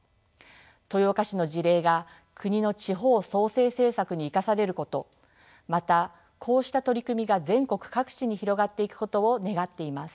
豊岡市の事例が国の地方創生政策に生かされることまたこうした取り組みが全国各地に広がっていくことを願っています。